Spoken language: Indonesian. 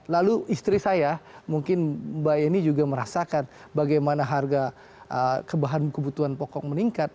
lalu istri saya mungkin mbak yeni juga merasakan bagaimana harga kebutuhan pokok meningkat